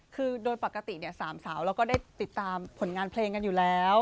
คือโดยปกติเนี่ยสามสาวเราก็ได้ติดตามผลงานเพลงกันอยู่แล้ว